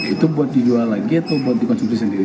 itu buat dijual lagi atau buat dikonsumsi sendiri